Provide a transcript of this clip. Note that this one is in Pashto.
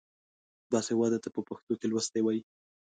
باسواده ته په پښتو کې لوستی وايي.